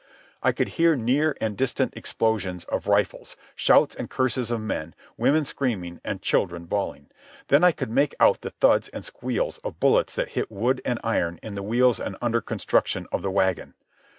I could hear near and distant explosions of rifles, shouts and curses of men, women screaming, and children bawling. Then I could make out the thuds and squeals of bullets that hit wood and iron in the wheels and under construction of the wagon.